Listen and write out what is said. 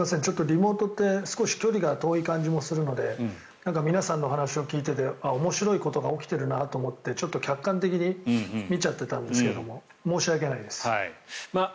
リモートって少し距離が遠い感じもするので皆さんの話を聞いていて面白いことが起きているなと思ってちょっと客観的に見ちゃっていたんですが申し訳ないです。